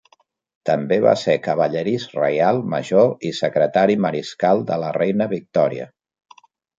També va ser cavallerís reial major i secretari mariscal de la reina Victòria.